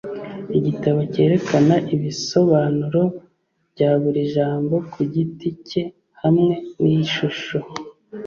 igitabo cyerekana ibisobanuro bya buri jambo kugiti cye hamwe nishusho